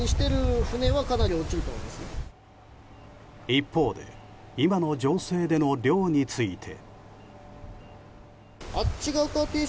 一方で、今の情勢での漁について。